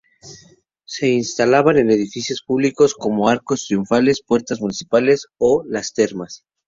Se instalaban en edificios públicos como arcos triunfales, puertas municipales o en las termas.